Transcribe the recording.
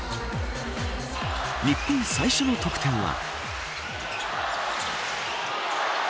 日本最初の得点は。